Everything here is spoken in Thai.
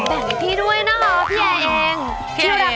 แบ่งให้พี่ด้วยนะครับพี่แอ๋ง